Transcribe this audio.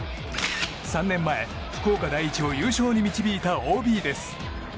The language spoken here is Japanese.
３年前、福岡第一を優勝に導いたＯＢです。